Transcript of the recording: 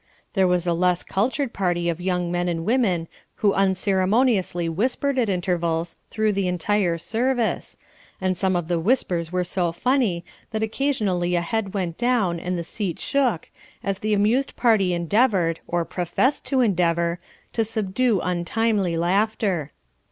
There was a less cultured party of young men and women who unceremoniously whispered at intervals through the entire service, and some of the whispers were so funny that occasionally a head went down and the seat shook, as the amused party endeavoured, or professed to endeavour, to subdue untimely laughter.